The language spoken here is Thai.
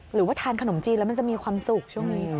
หรือว่าทานขนมจีนแล้วมันจะมีความสุขช่วงนี้